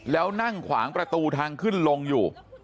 แล้วนั่งขวางประตูทางขึ้นลงอยู่